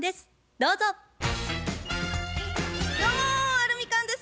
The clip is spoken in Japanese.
どうもアルミカンです。